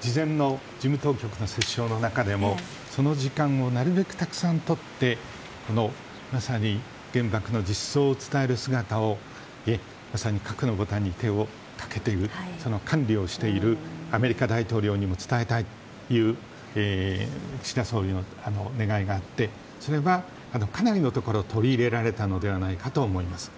事前の事務当局のセッション中でもその時間をなるべくたくさんとって原爆の実相を伝える姿をまさに核のボタンに手をかけているその管理をしているアメリカ大統領にも伝えたいという岸田総理の願いがあってそれはかなりのところを取り入れられたのではないかと思います。